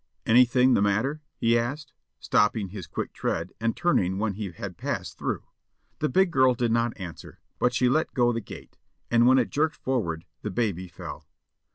"Anything the matter?" he asked, stopping his quick tread, and turning when he had passed through. The big girl did not answer, but she let go the gate, and when it jerked forward the baby fell.